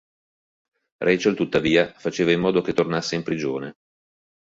Rachel tuttavia faceva in modo che tornasse in prigione.